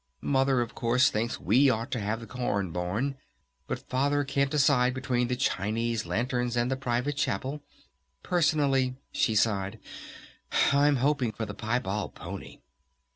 Mother, of course thinks we ought to have the corn barn. But Father can't decide between the Chinese lanterns and the private chapel. Personally," she sighed, "I'm hoping for the piebald pony."